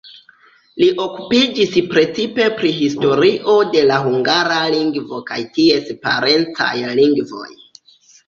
Li okupiĝis precipe pri historio de la hungara lingvo kaj ties parencaj lingvoj.